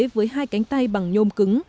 với hai cánh tay bằng nhôm cứng